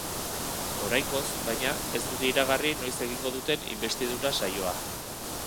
Oraingoz, baina, ez dute iragarri noiz egingo duten inbestidura saioa.